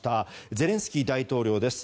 ゼレンスキー大統領です。